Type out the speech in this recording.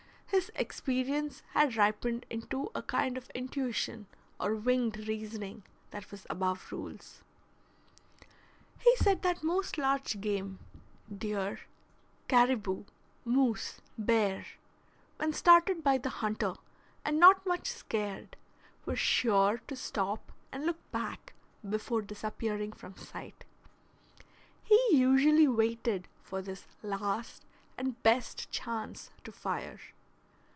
His experience had ripened into a kind of intuition or winged reasoning that was above rules. He said that most large game, deer, caribou, moose, bear, when started by the hunter and not much scared, were sure to stop and look back before disappearing from sight: he usually waited for this last and best chance to fire.